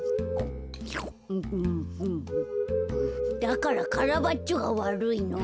だからカラバッチョがわるいの。